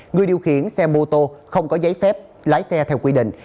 người điều khiển xe mô tô không có giấy phép lái xe theo quy định